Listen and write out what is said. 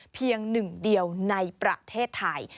เพียงหนึ่งเดียวในประเทศไทย